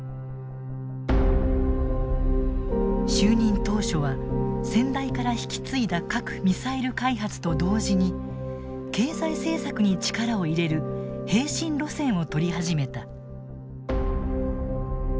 就任当初は先代から引き継いだ核・ミサイル開発と同時に経済政策に力を入れる並進路線をとり始めた。